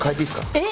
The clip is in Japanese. えっ！？